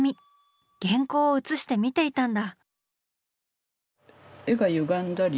原稿を映して見ていたんだ。